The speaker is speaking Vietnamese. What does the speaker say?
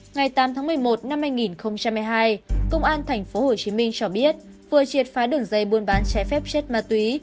ngày tám tháng một mươi một năm hai nghìn hai mươi hai công an tp hcm cho biết vừa triệt phá đường dây buôn bán trái phép chất ma túy